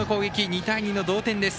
２対２の同点です。